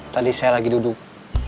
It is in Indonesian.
tadi saya lagi duduk